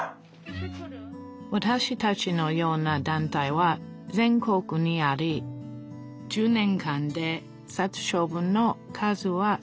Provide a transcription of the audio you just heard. わたしたちのような団体は全国にあり１０年間で殺処分の数は８分の１になっています